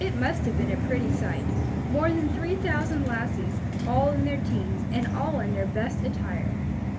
It must have been a pretty sight more than three thousand lassies, all in their teens, and all in their best attire.